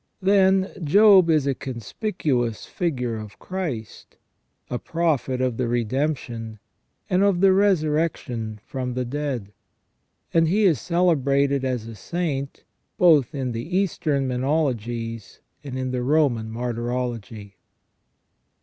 Then, Job is a conspicuous figure of Christ, a prophet of the Redemption, and of the Resurrection from the dead ; and he is celebrated as a saint both in the Eastern menologies and in the Roman martyrology.